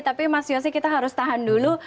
tapi mas yosi kita harus tahan dulu